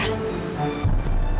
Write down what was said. aku mohon jangan kak aku mohon kak